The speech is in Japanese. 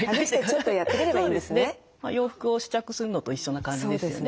洋服を試着するのと一緒な感じですよね。